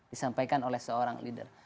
disampaikan oleh seorang leader